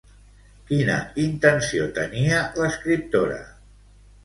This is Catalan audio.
Quina intenció tenia l'escriptora?